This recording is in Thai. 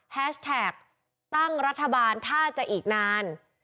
แฮชแท็กตั้งรัฐบาลถ้าจะอีกนาน